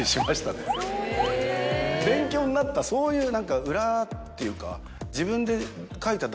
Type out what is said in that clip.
勉強になったそういう何か裏っていうか。